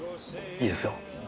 いいですよ。